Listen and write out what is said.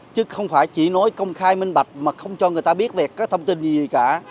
chứ không phải chỉ nói công khai minh bạch mà không cho người ta biết về các thông tin gì cả